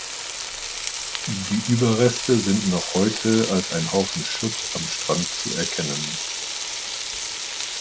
Die Überreste sind noch heute als ein Haufen Schutt am Strand zu erkennen.